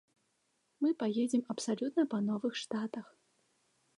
Мы паедзем абсалютна па новых штатах.